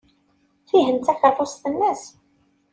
Tihin d takeṛṛust-nnes.